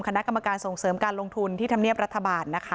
คณะกรรมการส่งเสริมการลงทุนที่ธรรมเนียบรัฐบาลนะคะ